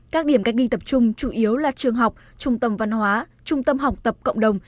các điểm cách ly tập trung chủ yếu là trường học trung tâm văn hóa trung tâm học tập cộng đồng